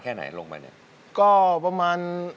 เพลงที่๑มูลค่า๑๐๐๐๐บาท